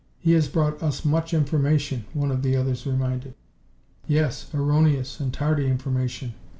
"He has brought us much information," one of the others reminded. "Yes, erroneous and tardy information.